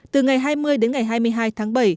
từ ngày hai mươi đến ngày hai mươi hai tháng bảy